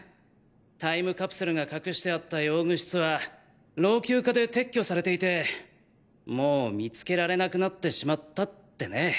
タイムカプセルが隠してあった用具室は老朽化で撤去されていてもう見つけられなくなってしまったってね。